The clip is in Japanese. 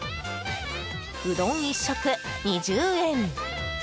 うどん１食２０円。